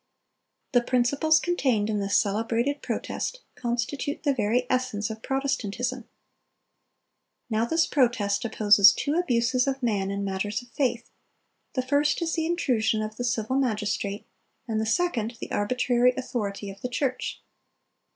"The principles contained in this celebrated Protest ... constitute the very essence of Protestantism. Now this Protest opposes two abuses of man in matters of faith: the first is the intrusion of the civil magistrate, and the second the arbitrary authority of the church.